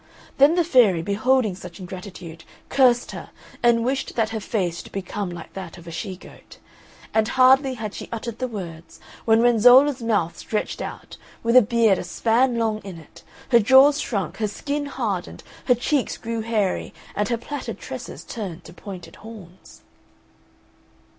Then the fairy, beholding such ingratitude, cursed her, and wished that her face should become like that of a she goat; and hardly had she uttered the words, when Renzolla's mouth stretched out, with a beard a span long on it, her jaws shrunk, her skin hardened, her cheeks grew hairy, and her plaited tresses turned to pointed horns.